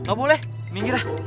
gak boleh minggir lah